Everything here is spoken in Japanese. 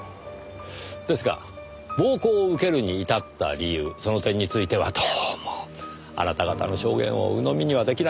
ですが暴行を受けるに至った理由その点についてはどうもあなた方の証言をうのみには出来ないんですよ。